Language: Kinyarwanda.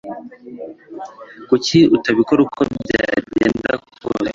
Kuki utabikora uko byagenda kose?